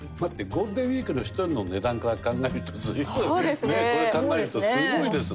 ゴールデンウィークの１人の値段から考えると随分これ考えるとすごいですね。